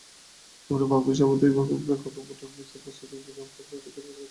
দুপুরে বাফুফে সভাপতির কক্ষে বসে ভুটান ম্যাচের প্রস্তুতির পথরেখাও ঠিক করে ফেলেছেন।